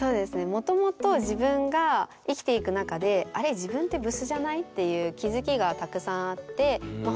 もともと自分が生きていく中であれ？っていう気付きがたくさんあってまあ